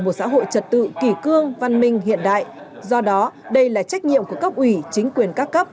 một xã hội trật tự kỷ cương văn minh hiện đại do đó đây là trách nhiệm của cấp ủy chính quyền các cấp